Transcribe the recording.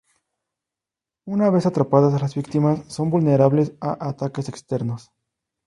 Una vez atrapadas, las víctimas son vulnerables a ataques externos.